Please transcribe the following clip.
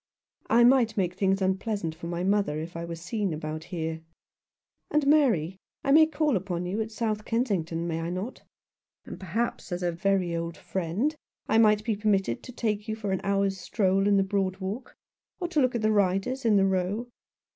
" I might make things unpleasant for my mother if I were seen about here. And, Mary, I may call upon you' at South Kensington, may I not ? And perhaps, as a very old friend, I might be permitted to take you for an hour's stroll in the Broad Walk — or to look at the riders in the Row."